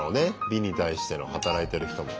美に対しての働いてる人も。